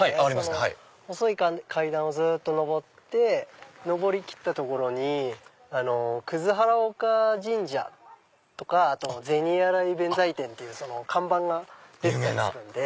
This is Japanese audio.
その細い階段をずっと上って上りきった所に原岡神社とか銭洗弁財天っていう看板が出てたりするんで。